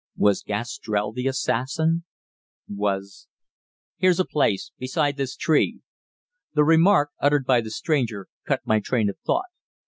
Was Gastrell the assassin? Was "Here is a place beside this tree." The remark, uttered by the stranger, cut my train of thought.